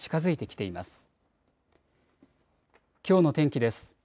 きょうの天気です。